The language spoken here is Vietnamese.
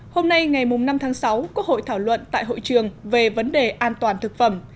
hôm nay ngày năm tháng sáu quốc hội thảo luận tại hội trường về vấn đề an toàn thực phẩm